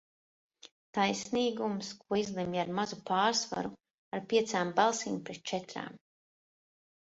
Taisnīgums, ko izlemj ar mazu pārsvaru ar piecām balsīm pret četrām.